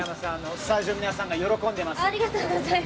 スタジオの皆さんが喜んでいます。